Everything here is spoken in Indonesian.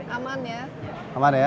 aman ya aman ya